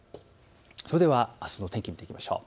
それではあすの天気を見ていきましょう。